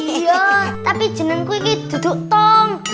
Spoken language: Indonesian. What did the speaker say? iya tapi jenengku ini duduk tong